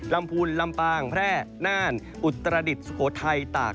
พูนลำปางแพร่น่านอุตรดิษฐ์สุโขทัยตาก